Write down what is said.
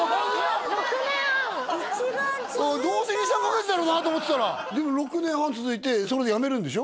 どうせ２３カ月だろうなと思ってたらでも６年半続いてそれ辞めるんでしょ？